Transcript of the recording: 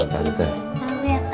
salam ya tante